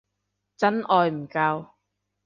真愛唔夠